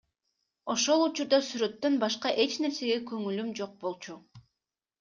Ошол учурда сүрөттөн башка эч нерсеге көңүлүм жок болчу.